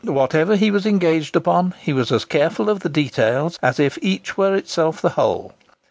Whatever he was engaged upon, he was as careful of the details as if each were itself the whole.